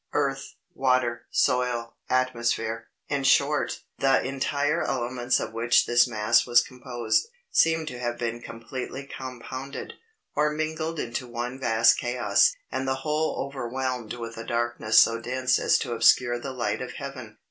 Earth, water, soil, atmosphere in short, the entire elements of which this mass was composed, seem to have been completely compounded, or mingled into one vast chaos, and the whole overwhelmed with a darkness so dense as to obscure the light of heaven.